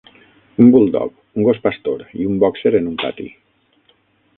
Un buldog, un gos pastor i un bòxer en un pati.